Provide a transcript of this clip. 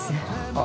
あ。